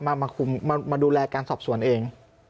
ใช่ครับมาดูแลการสอบส่วนเอง